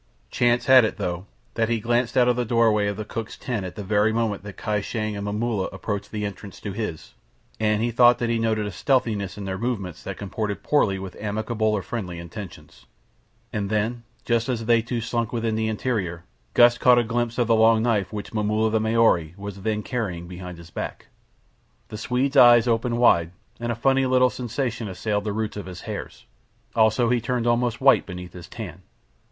Chance had it, though, that he glanced out of the doorway of the cook's tent at the very moment that Kai Shang and Momulla approached the entrance to his, and he thought that he noted a stealthiness in their movements that comported poorly with amicable or friendly intentions, and then, just as they two slunk within the interior, Gust caught a glimpse of the long knife which Momulla the Maori was then carrying behind his back. The Swede's eyes opened wide, and a funny little sensation assailed the roots of his hairs. Also he turned almost white beneath his tan.